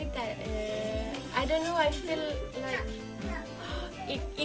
saya tidak tahu saya merasa seperti